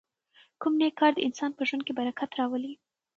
کوم نېک کار د انسان په ژوند کې برکت راولي؟